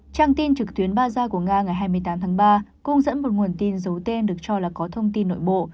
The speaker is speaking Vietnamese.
trang tin trực tuyến baza của nga ngày hai mươi tám tháng ba cung dẫn một nguồn tin giấu tên được cho là có thông tin nội bộ